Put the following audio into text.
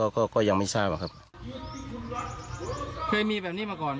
ก็ยังไม่ทราบนะครับ